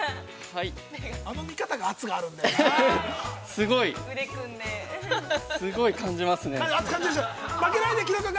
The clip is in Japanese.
あの見方が圧があるんだよな。